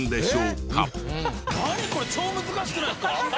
これ超難しくないですか？